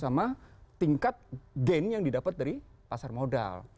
sama tingkat gain yang didapat dari pasar modal